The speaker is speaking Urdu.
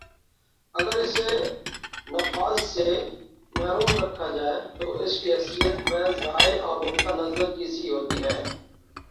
اگر اسے نفاذ سے محروم رکھا جائے تو اس کی حیثیت محض رائے اور نقطۂ نظر کی سی ہوتی ہے